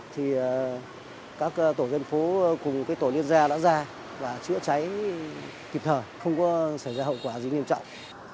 thì các tổ dân phố cùng tổ liên gia đã ra và chữa cháy kịp thời không có xảy ra hậu quả gì nghiêm trọng